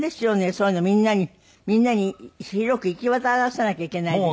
そういうのをみんなにみんなに広く行き渡らせなきゃいけないんでしょ？